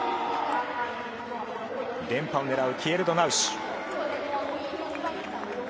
連覇を狙うキエルド・ナウシュ。